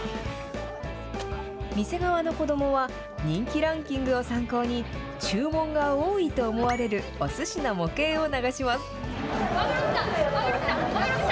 店側の子どもは、人気ランキングを参考に、注文が多いと思われるおすしの模型を流します。